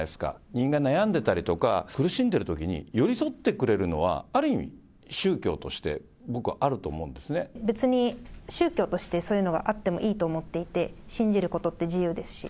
人間、悩んでたりとか、苦しんでるときに、寄り添ってくれるのは、ある意味、宗教として、僕はあると思うんで別に、宗教としてそういうのはあってもいいと思っていて、信じることって自由ですし。